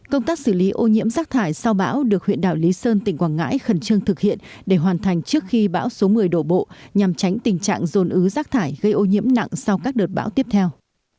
công tác xử lý ô nhiễm rác thải sau bão được huyện đảo lý sơn tỉnh quảng ngãi khẩn trương thực hiện để hoàn thành trước khi bão số một mươi đổ bộ nhằm tránh tình trạng dồn ứ rác thải gây ô nhiễm nặng sau các đợt bão tiếp theo